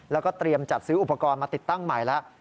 แล้วก็เตรียมจัดซื้ออุปกรณ์มาติดตั้งใหม่แล้ว